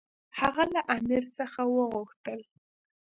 هغه له امیر څخه وغوښتل.